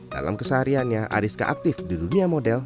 dalam kesehariannya ariska aktif di dunia model